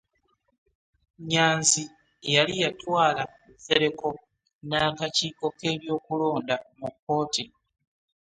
Nyanzi yali yatwala Nsereko n'akakiiko k'ebyokulonda mu kkooti.